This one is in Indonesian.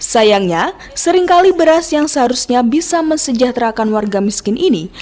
sayangnya seringkali beras yang seharusnya bisa mensejahterakan warga miskin ini